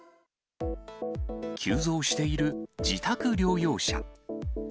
急増している自宅療養者。